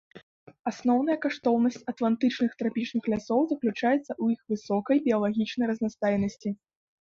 Асноўная каштоўнасць атлантычных трапічных лясоў заключаецца ў іх высокай біялагічнай разнастайнасці.